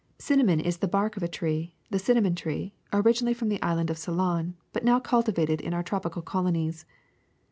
*^ Cinnamon is the bark of a tree, the cinnamon tree, originally from the island of Ceylon, but now cultivated in our tropical colonies.